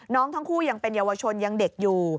ทั้งคู่ยังเป็นเยาวชนยังเด็กอยู่